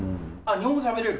日本語しゃべれる？